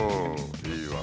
いいわ。